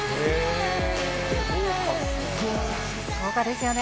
豪華ですよね。